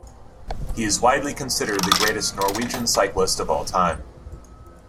He is widely considered the greatest Norwegian cyclist of all time.